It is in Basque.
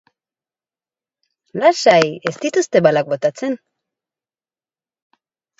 Lasai, ez dituzte balak botatzen.